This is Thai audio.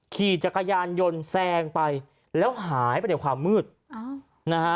ขี่จักรยานยนต์แซงไปแล้วหายไปในความมืดนะฮะ